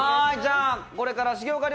これから重岡流！